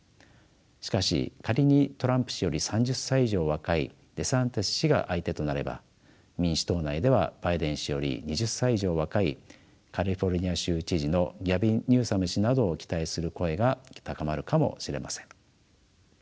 しかし仮にトランプ氏より３０歳以上若いデサンティス氏が相手となれば民主党内ではバイデン氏より２０歳以上若いカリフォルニア州知事のギャビン・ニューサム氏などを期待する声が高まるかもしれません。